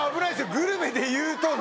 「グルメでいうと」の。